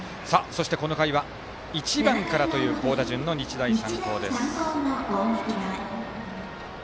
この回は１番からという好打順の日大三高。